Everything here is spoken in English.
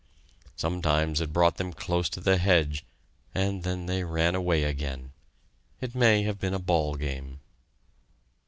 Sometimes it brought them close to the hedge, and then they ran away again. It may have been a ball game.